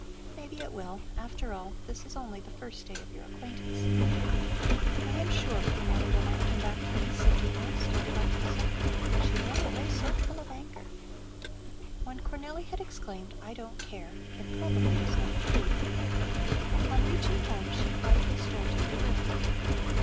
Maybe it will; after all, this is only the first day of your acquaintance. "I am sure Cornelli will not come back to me," said Dino, still quite puzzled. "She ran away so full of anger." When Cornelli had exclaimed, "I don't care," it probably was not true. On reaching home she quietly stole to her room.